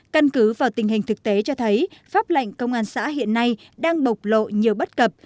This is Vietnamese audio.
căn cứ vào tình hình thực tế cho thấy pháp lệnh công an xã hiện nay đang bộc lộ nhiều bất cập